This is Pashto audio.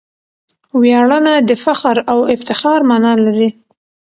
ویاړنه د فخر او افتخار مانا لري.